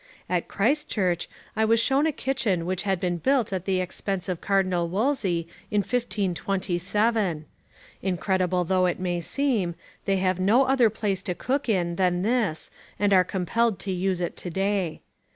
At Christ Church I was shown a kitchen which had been built at the expense of Cardinal Wolsey in 1527. Incredible though it may seem, they have no other place to cook in than this and are compelled to use it to day.